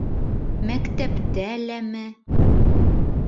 — Мәктәптә ләме?